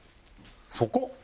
そこ？